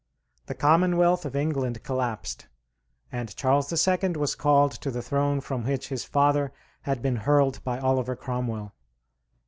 The Commonwealth of England collapsed, and Charles II. was called to the throne from which his father had been hurled by Oliver Cromwell.